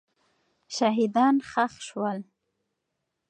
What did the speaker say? شهیدان ښخ سول.